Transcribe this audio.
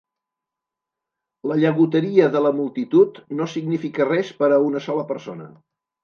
La llagoteria de la multitud no significa res per a una sola persona.